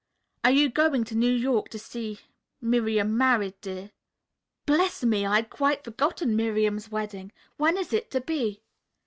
"Are you going to New York to see Miriam married, dear?" "Bless me, I had quite forgotten Miriam's wedding. When is it to be?"